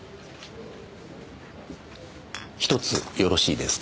１つよろしいですか？